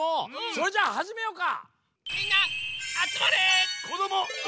それじゃあはじめようか！